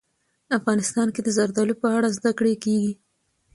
افغانستان کې د زردالو په اړه زده کړه کېږي.